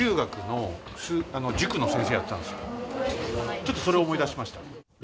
ちょっとそれを思い出しました。